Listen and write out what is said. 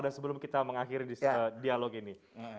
dan sebelum kita mengakhiri dialog ini